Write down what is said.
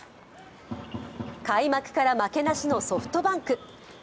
開幕から負けなしのソフトバンク。